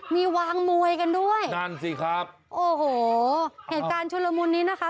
มีวางมวยกันด้วยโอ้โหเหตุการณ์ชุดรมุนนี้นะคะ